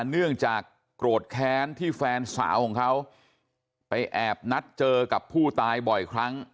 เนื่องจากโกรธแค้นที่แฟนสาวของเขาไปแอบนัดเจอกับผู้ตายบ่อยครั้ง